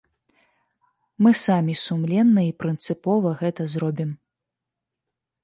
Мы самі сумленна і прынцыпова гэта зробім.